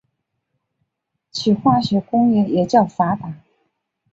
其化学工业也较发达。